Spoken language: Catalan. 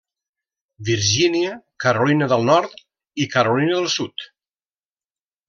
Virgínia, Carolina del Nord i Carolina del Sud.